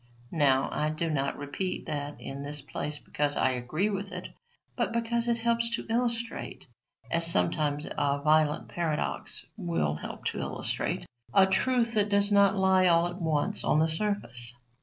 Now, I do not repeat that in this place because I agree with it, but because it helps to illustrate, as sometimes a violent paradox will help to illustrate, a truth that does not lie all at once on the surface.